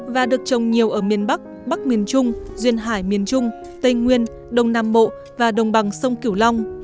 và được trồng nhiều ở miền bắc bắc miền trung duyên hải miền trung tây nguyên đông nam bộ và đồng bằng sông kiểu long